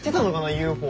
ＵＦＯ。